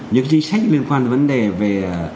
những chính sách liên quan đến vấn đề về